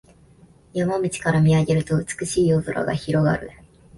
山道から見上げると美しい夜空が広がる